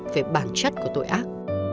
về bản chất của tội ác